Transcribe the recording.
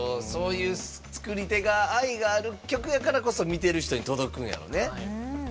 そういう作り手が愛がある曲やからこそ見てる人に届くんやろね。